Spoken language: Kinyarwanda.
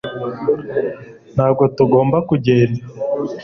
ntabwo tugomba kugenda